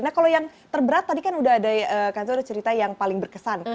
nah kalau yang terberat tadi kan udah ada kanto ada cerita yang paling berkesan